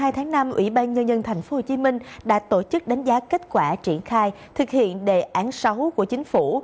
hai mươi tháng năm ủy ban nhân dân tp hcm đã tổ chức đánh giá kết quả triển khai thực hiện đề án sáu của chính phủ